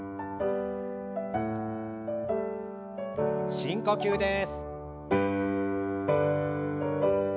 深呼吸です。